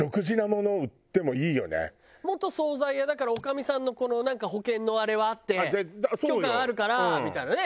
元総菜屋だから女将さんのなんか保険のあれはあって許可あるからみたいなね。